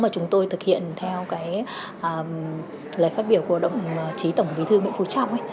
mà chúng tôi thực hiện theo lời phát biểu của động chí tổng bí thư nguyễn phú trọng